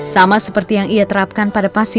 sama seperti yang ia terapkan pada pasien